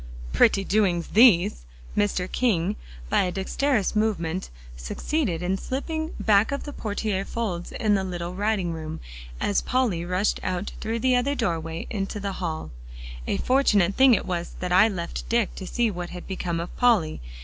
"Pretty doings these!" Mr. King, by a dexterous movement, succeeded in slipping back of the portiere folds into the little writing room, as Polly rushed out through the other doorway into the hall. "A fortunate thing it was that I left Dick, to see what had become of Polly.